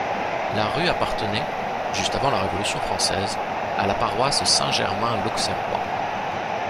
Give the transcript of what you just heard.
La rue appartenait juste avant la Révolution française à la paroisse Saint-Germain-l'Auxerrois.